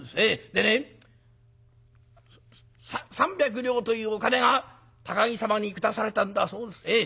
でね三百両というお金が高木様に下されたんだそうです。